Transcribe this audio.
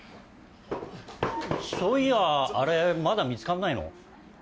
そういやあれまだ見つかんないの？